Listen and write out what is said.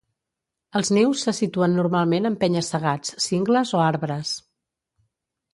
Els nius se situen normalment en penya-segats, cingles o arbres.